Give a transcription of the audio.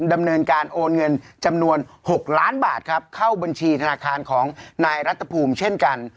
ดำเนินการโอนเงินจำนวน๖ล้านบาทครับเข้าบัญชีธนาคารของนายรัฐภูมิเช่นกัน